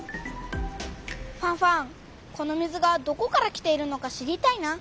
ファンファンこの水がどこから来ているのか知りたいな。